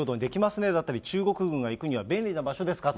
ねだったり、中国軍が行くには便利な場所ですかと。